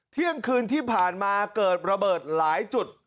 เที่ยงคืนที่ผ่านมาเกิดระเบิดหลายจุด